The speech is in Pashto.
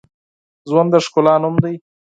ژوند د ښکلا نوم دی